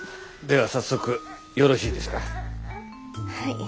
はい。